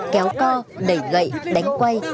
kéo co đẩy gậy đánh quay